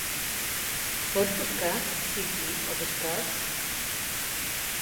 Pots buscar "City of Scars"?